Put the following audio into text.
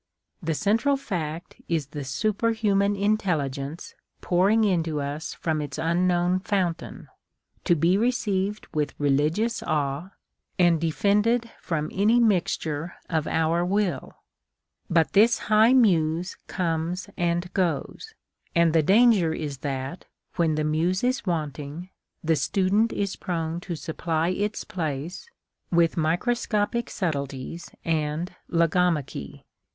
The central fact is the superhuman intelligence pouring into us from its unknown fountain, to'be received with religious awe, and defended from any mixture of our will. But XVI INTRODUCTION. this high Muse comes and goes ; and the danger is that, when the Muse is wanting, the student is prone to supply its place with microscopic subtleties and logomachy.